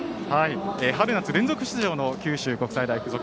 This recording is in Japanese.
春初連続出場の九州国際大付属。